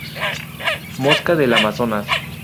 Mosca del amazonas